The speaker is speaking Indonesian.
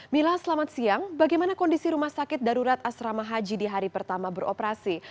mila selamat siang bagaimana kondisi rumah sakit darurat asrama haji di hari pertama beroperasi